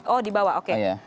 oh dibawa oke